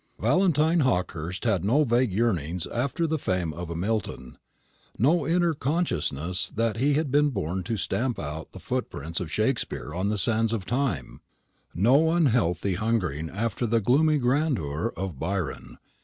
Valentine Hawkehurst had no vague yearnings after the fame of a Milton, no inner consciousness that he had been born to stamp out the footprints of Shakespeare on the sands of time, no unhealthy hungering after the gloomy grandeur of Byron.